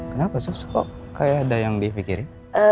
kenapa sukses kok kayak ada yang dipikirin